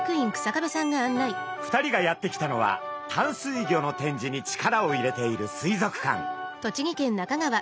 ２人がやって来たのは淡水魚の展示に力を入れている水族館。